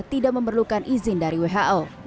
tidak memerlukan izin dari who